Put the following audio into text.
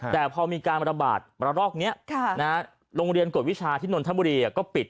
แต่พอมีการระบาดระลอกนี้โรงเรียนกฎวิชาที่นนทบุรีก็ปิด